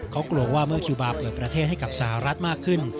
เขากลัวว่าเมื่อคิวบาร์เปิดประเทศให้กับสหรัฐมากขึ้น